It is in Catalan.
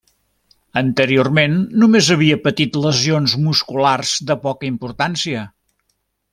Anteriorment, només havia patit lesions musculars de poca importància.